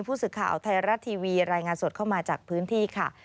ผู้สื่อข่าวไทยรัฐทีวีรายงานสดเข้ามาจากพื้นที่ค่ะ